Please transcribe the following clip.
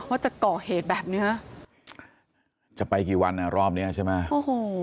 ว่าจะก่อเหตุแบบเนี้ยจะไปกี่วันอ่ะรอบเนี้ยใช่ไหมโอ้โห